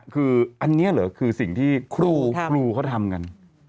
คืออันนี้เหรอคือสิ่งที่ครูเขาทำกัน